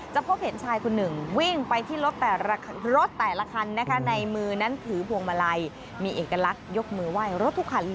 พบเห็นชายคนหนึ่งวิ่งไปที่รถแต่ละรถแต่ละคันนะคะในมือนั้นถือพวงมาลัยมีเอกลักษณ์ยกมือไหว้รถทุกคันเลย